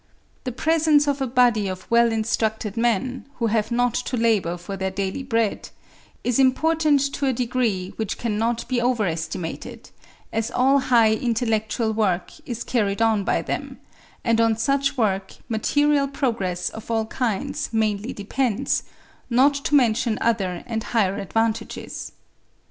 The presence of a body of well instructed men, who have not to labour for their daily bread, is important to a degree which cannot be over estimated; as all high intellectual work is carried on by them, and on such work, material progress of all kinds mainly depends, not to mention other and higher advantages.